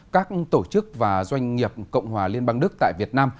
các tổ chức và doanh nghiệp cộng hòa liên bang đức tại việt nam